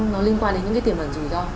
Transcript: nó liên quan đến những cái tiền bản dù do